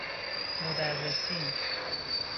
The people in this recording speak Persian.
مدرسین